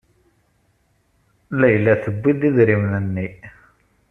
Layla tewwi-d idrimen-nni.